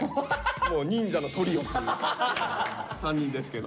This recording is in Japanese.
もう忍者のトリオっていう３人ですけど。